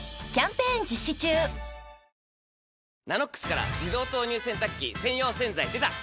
「ＮＡＮＯＸ」から自動投入洗濯機専用洗剤でた！